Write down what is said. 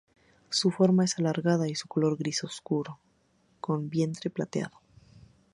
Su forma es alargada y su color gris oscuro con el vientre plateado.